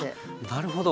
なるほど。